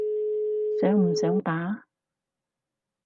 想唔想打？